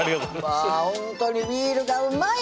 ほんとにビールがうまい！